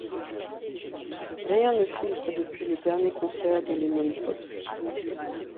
Rien ne filtre depuis le dernier concert du Lemon Pop.